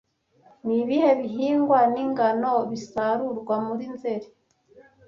Ni ibihe bihingwa ni ingano bisarurwa muri Nzeri